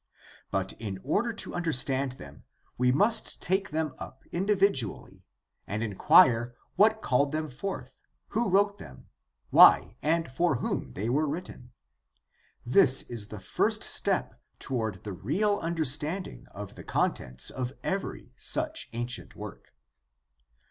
But in order to understand them we must take them up THE STUDY OF THE NEW TESTAMENT i8i individually and inquire what called them forth, who wrote them, why and for whom they were written. This is the first step toward the real understanding of the contents of every such ancient work.